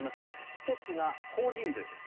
１つが法人税です。